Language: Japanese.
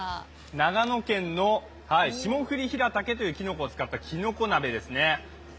長野県の霜降りひらたけというきのこを使ったきのこ鍋ですね。